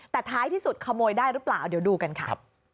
แต่ท้ายที่สุดขโมยได้หรือเปล่าเดี๋ยวดูกันค่ะ